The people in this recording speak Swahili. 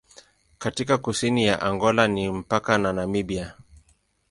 Katika kusini ya Angola ni mpaka na Namibia.